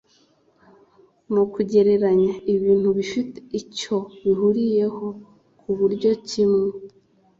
ni ukugereranya ibintu bifite icyo bihuriyeho ku buryo kimwe